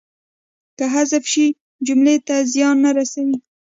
که حذف شي جملې ته څه زیان نه رسوي.